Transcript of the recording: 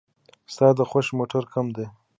ستا د خوښې موټر کوم دی؟